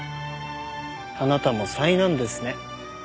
あなたも災難ですね